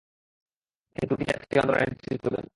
তিনি তুর্কি জাতীয় আন্দোলনের নেতৃত্ব দেন।